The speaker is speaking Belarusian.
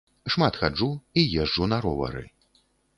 Шмат хаджу і езджу на ровары.